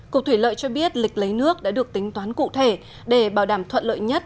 cục thủy lợi cho biết lịch lấy nước đã được tính toán cụ thể để bảo đảm thuận lợi nhất